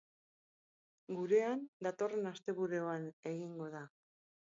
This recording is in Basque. Gurean datorren asteburuan egingo da.